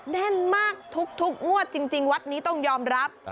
แน่นมากทุกงวดจริงวัดนี้ต้องยอมรับ